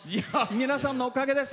皆さんのおかげです。